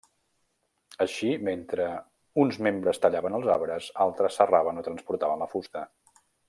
Així, mentre uns membres tallaven els arbres, altres serraven o transportaven la fusta.